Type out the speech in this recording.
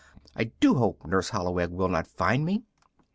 I do hope Nurse Holloweg will not find me."